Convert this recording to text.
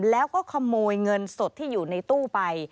แล้วก็ขโมยเงินสดที่อยู่ในตู้ไป